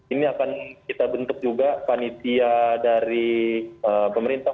ini akan kita bentuk juga panitia dari pemerintah